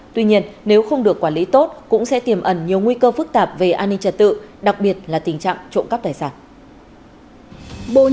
tuy nhiên nếu không được quản lý tốt cũng sẽ tiềm ẩn nhiều nguy cơ phức tạp về an ninh trật tự đặc biệt là tình trạng trộm cắp tài sản